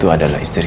udah di sini